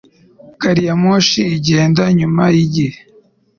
Gariyamoshi igenda inyuma yigihe